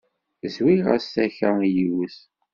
Zwiɣ-as takka i yiwet.